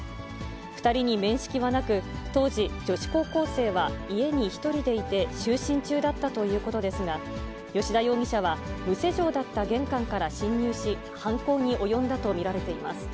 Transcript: ２人に面識はなく、当時、女子高校生は家に１人でいて就寝中だったということですが、吉田容疑者は、無施錠だった玄関から侵入し、犯行に及んだと見られています。